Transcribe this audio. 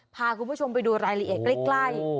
พาคุณผู้ชมไปดูรายละเอียดใกล้